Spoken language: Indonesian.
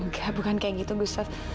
nggak bukan kayak gitu gustaf